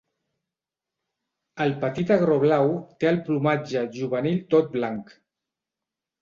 El petit agró blau té el plomatge juvenil tot blanc.